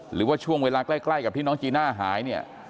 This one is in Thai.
หรือว่าช่วงเวลาใกล้กับที่น้องจีน่าหายเนี่ย